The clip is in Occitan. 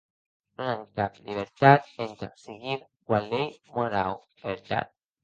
Non an cap libertat entà seguir ua lei morau, vertat?